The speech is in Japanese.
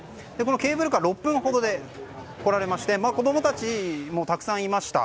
ケーブルカーは６分ほどで来られまして子供たちもたくさんいました。